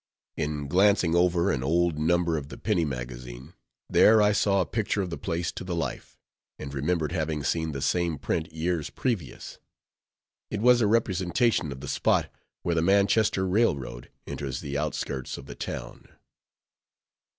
In glancing over an old number of the Penny Magazine, there I saw a picture of the place to the life; and remembered having seen the same print years previous. It was a representation of the spot where the Manchester railroad enters the outskirts of the town.